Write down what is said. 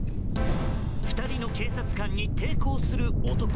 ２人の警察官に抵抗する男。